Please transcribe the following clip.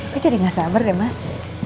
gue jadi gak sabar deh mas